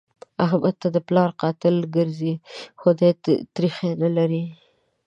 احمد ته د پلار قاتل ګرځي؛ خو دی تريخی نه لري.